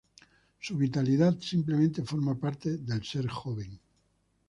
Su vitalidad simplemente forma parte del ser joven.